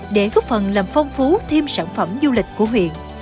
để góp phần làm phong phú thêm sản phẩm du lịch của huyện